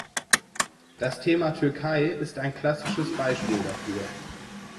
Das Thema Türkei ist ein klassisches Beispiel dafür.